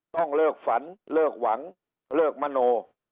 ต้องเลิกฝันเลิกหวังเลิกมโน